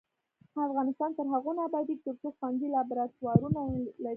افغانستان تر هغو نه ابادیږي، ترڅو ښوونځي لابراتوارونه ونه لري.